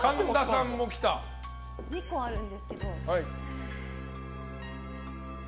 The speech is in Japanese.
２個あるんですけど。